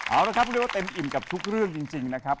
เอาละครับเรียกว่าเต็มอิ่มกับทุกเรื่องจริงนะครับ